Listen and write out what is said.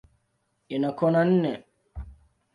Ina kona nne.